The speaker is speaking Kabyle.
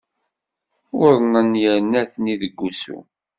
Uḍnen yerna atni deg wusu.